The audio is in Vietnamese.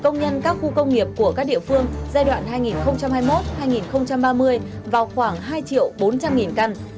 nhân các khu công nghiệp của các địa phương giai đoạn hai nghìn hai mươi một hai nghìn ba mươi vào khoảng hai triệu bốn trăm linh căn